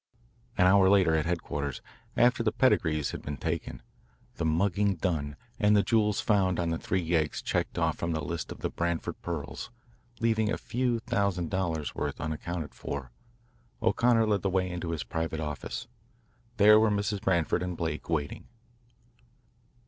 An hour later, at headquarters, after the pedigrees had been taken, the "mugging" done, and the jewels found on the three yeggs checked off from the list of the Branford pearls, leaving a few thousand dollars' worth unaccounted for, O'Connor led the way into his private office. There were Mrs. Branford and Blake, waiting.